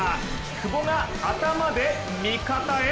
久保が頭で味方へ。